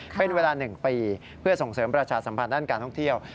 เป็นเวลา๑ปีเพื่อส่งเสริมประชาสัมพันธ์ด้านการท่องเที่ยว